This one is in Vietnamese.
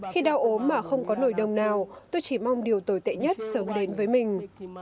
khi đau ốm mà không có nổi đồng nào tôi chỉ mong điều tồi tệ nhất sớm đến với mình